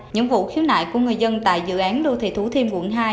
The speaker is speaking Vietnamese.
những vụ khiếu nại của người dân tại dự án đô thị thủ thiêm quận hai